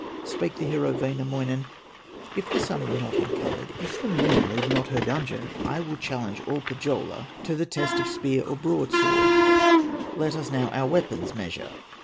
Spake the hero, Wainamoinen: "If the Sun be not uncovered, If the Moon leave not her dungeon, I will challenge all Pohyola To the test of spear or broadsword, Let us now our weapons measure!"